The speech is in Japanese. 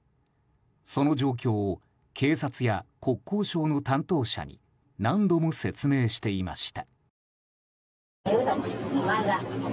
その状況を警察や国交省の担当者に何度も説明していました。